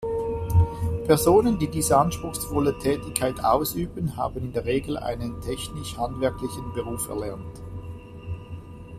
Personen, die diese anspruchsvolle Tätigkeit ausüben, haben in der Regel einen technisch-handwerklichen Beruf erlernt.